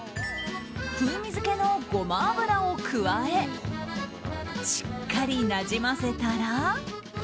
風味付けのゴマ油を加えしっかりなじませたら。